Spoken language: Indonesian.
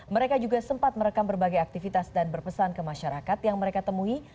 mereka juga sempat merekam berbagai aktivitas dan berpesan ke masyarakat yang mereka temui